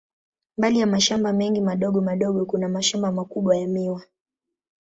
Mbali ya mashamba mengi madogo madogo, kuna mashamba makubwa ya miwa.